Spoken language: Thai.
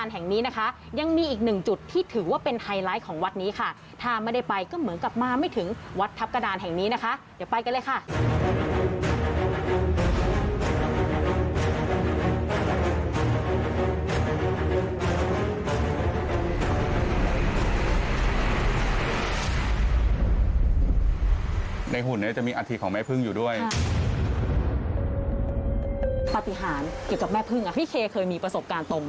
หนึ่งจุดที่ถือว่าเป็นไฮไลท์ของวัดนี้ค่ะถ้าไม่ได้ไปก็เหมือนกับมาไม่ถึงวัดทัพกระดาษแห่งนี้นะคะเดี๋ยวไปกันเลยค่ะ